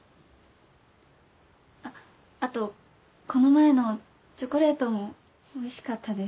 あっ後この前のチョコレートもおいしかったです。